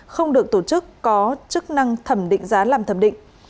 không được tổ chức có chức năng thẩm định giá làm thẩm định